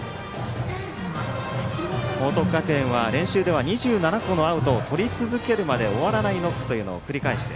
報徳学園は練習では２７個のアウトをとり続けるまで終わらないノックというのを繰り返して